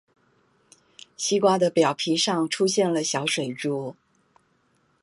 西瓜的表皮上出現了小水珠